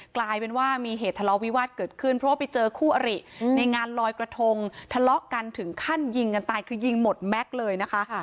กลายเป็นว่ามีเหตุทะเลาวิวาสเกิดขึ้นเพราะว่าไปเจอคู่อริในงานลอยกระทงทะเลาะกันถึงขั้นยิงกันตายคือยิงหมดแม็กซ์เลยนะคะ